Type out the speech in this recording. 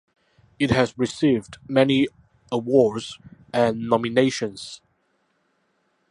It has received many awards and nominations.